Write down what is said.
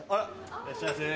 いらっしゃいませ。